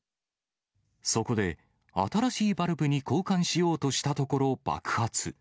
そこで、新しいバルブに交換しようとしたところ、爆発。